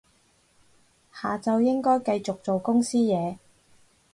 下晝應該繼續做公司嘢